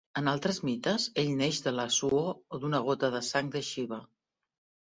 En altres mites, ell neix de la suor o d'una gota de sang de Shiva.